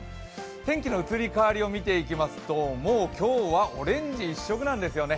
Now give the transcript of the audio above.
天気の移り変わりを見ていきますと、もう今日はオレンジ一色なんですよね。